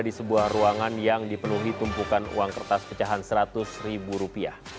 di sebuah ruangan yang dipenuhi tumpukan uang kertas pecahan seratus ribu rupiah